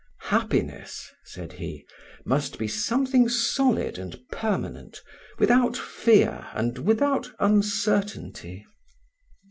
"Happiness," said he, "must be something solid and permanent, without fear and without uncertainty."